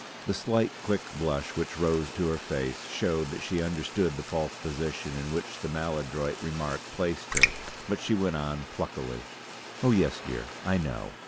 The slight, quick blush which rose to her face showed that she understood the false position in which the maladroit remark placed her; but she went on pluckily: "Oh, yes, dear, I know!